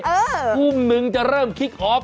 ทุ่มนึงจะเริ่มคิกออฟ